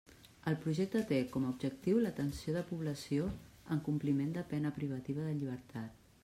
El projecte té com a objectiu l'atenció de població en compliment de pena privativa de llibertat.